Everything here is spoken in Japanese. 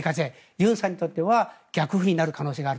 ユンさんにとっては逆風になる可能性がある。